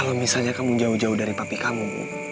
kalau misalnya kamu jauh jauh dari papi kamu